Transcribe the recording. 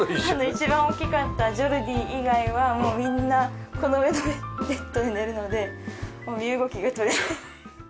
一番大きかったジョルディ以外はもうみんなこの上のベッドで寝るのでもう身動きが取れない。